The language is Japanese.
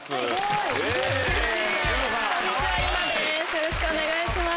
よろしくお願いします。